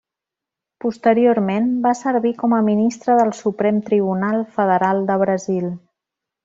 Posteriorment, va servir com a ministre del Suprem Tribunal Federal de Brasil.